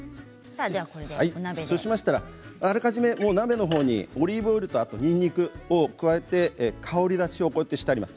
そうしたらあらかじめ鍋のほうにオリーブオイルとにんにくを加えて香り出しをしてあります。